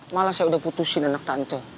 malah saya udah putusin anak tante